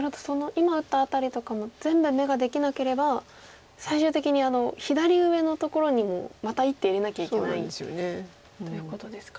今打った辺りとかも全部眼ができなければ最終的に左上のところにもまた１手入れなきゃいけないということですか。